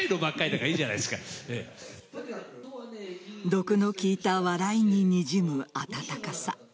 毒の効いた笑いににじむ温かさ。